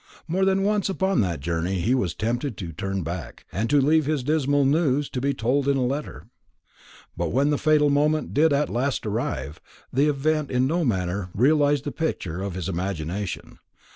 More than once upon that journey he was tempted to turn back, and to leave his dismal news to be told in a letter. But when the fatal moment did at last arrive, the event in no manner realized the picture of his imagination.